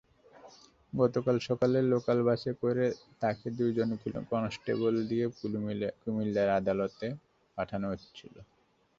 গতকাল সকালে লোকাল বাসে করে তাঁকে দুজন কনস্টেবল দিয়ে কুমিল্লার আদালতে পাঠানো হচ্ছিল।